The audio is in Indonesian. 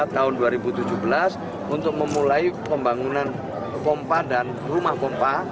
tahun dua ribu tujuh belas untuk memulai pembangunan pompa dan rumah pompa